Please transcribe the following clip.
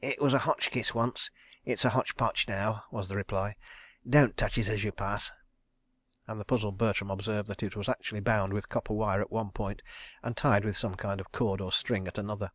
"It was a Hotchkiss once. It's a Hot potch now," was the reply. "Don't touch it as you pass," and the puzzled Bertram observed that it was actually bound with copper wire at one point and tied with some kind of cord or string at another.